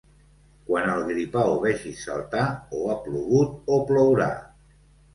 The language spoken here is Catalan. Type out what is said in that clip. Quan el gripau vegis saltar, o ha plogut o plourà.